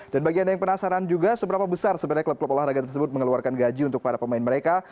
dan bagi anda yang penasaran juga seberapa besar sebenarnya klub olahraga tersebut mengeluarkan gaji untuk para pemain mereka